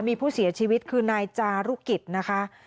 มีผู้เสียชีวิตคือนายจารุกิจนะคะ